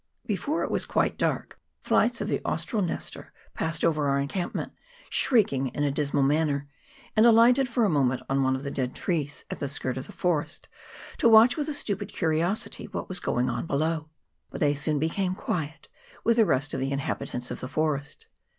Before it was quite dark, flights of the Austral Nestor passed over our encampment, shrieking in a dismal manner, and alighted for a moment on one of the dead trees at the skirt of the forest, to watch with a stupid curiosity what was going on below ; but they soon became quiet, with the rest of the in habitants of the forest.